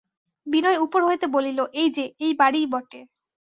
বিনয় উপর হইতে বলিল, এই-যে, এই বাড়িই বটে।